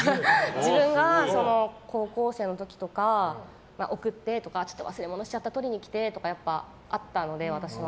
自分が高校生の時とかに送って！とかちょっと忘れ物しちゃった取りに来てとかあったので、私も。